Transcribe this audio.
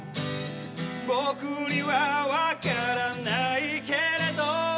僕には分からないけれど